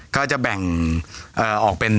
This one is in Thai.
ก็จะแบ่งออกเป็น